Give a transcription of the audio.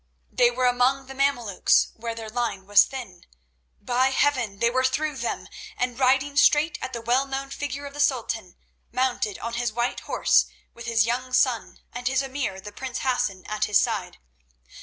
They were among the Mameluks, where their line was thin; by Heaven! they were through them, and riding straight at the well known figure of the Sultan, mounted on his white horse with his young son and his emir, the prince Hassan, at his side.